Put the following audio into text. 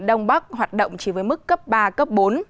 đông bắc hoạt động chỉ với mức cấp ba cấp bốn